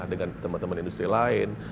dengan teman teman industri lain